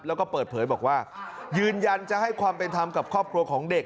แล้วก็เปิดเผยบอกว่ายืนยันจะให้ความเป็นธรรมกับครอบครัวของเด็ก